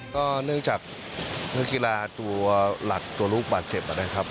ก็เนื่องจากนักกีฬาตัวหลักตัวลูกบาดเจ็บนะครับ